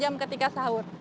jam jam ketika sahur